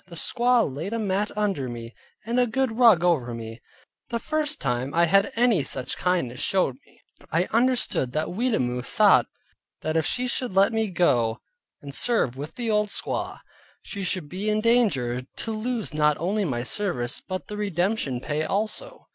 The squaw laid a mat under me, and a good rug over me; the first time I had any such kindness showed me. I understood that Weetamoo thought that if she should let me go and serve with the old squaw, she would be in danger to lose not only my service, but the redemption pay also.